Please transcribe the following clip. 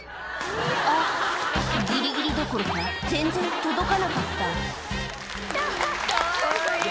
あっギリギリどころか全然届かなかったかわい過ぎる！